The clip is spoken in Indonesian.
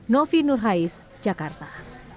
novi nurhaiz jakarta